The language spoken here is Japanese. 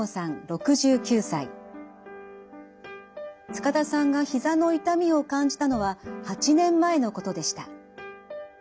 塚田さんがひざの痛みを感じたのは８年前のことでした。